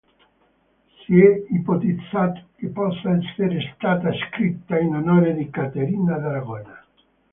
Si è ipotizzato che possa essere stata scritta in onore di Caterina d'Aragona.